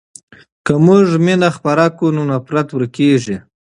که موږ مینه خپره کړو نو نفرت ورکېږي.